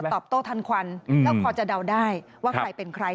ตอบโต้ทันควันแล้วพอจะเดาได้ว่าใครเป็นใคร